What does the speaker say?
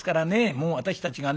もう私たちがね